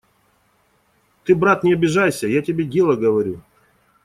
Ты, брат, не обижайся, я тебе дело говорю.